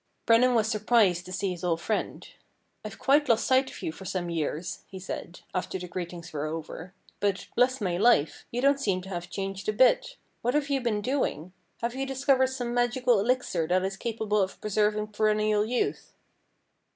Brennan was surprised to see his old friend. ' I've quite lost sight of you for some years,' he said, after the greet ings were over ;' but, bless my life ! you don't seem to have changed a bit. What have you been doing ? Have you discovered some magical elixir that is capable of preserving perennial youth